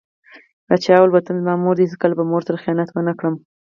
پاچا وويل: وطن زما مور دى هېڅکله او به مور سره خيانت ونه کړم .